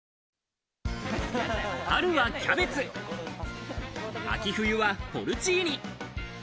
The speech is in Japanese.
春はキャベツ、秋冬はポルチーニ。